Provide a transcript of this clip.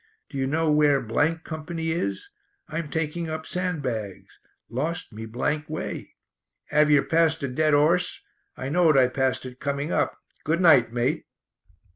Do you know where Company is? I'm taking up sandbags. Lost me way. 'Ave yer passed a dead 'orse? I knowed I passed it coming up. Good night, mate."